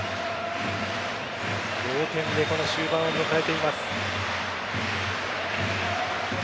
同点で終盤を迎えています。